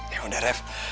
ya udah rev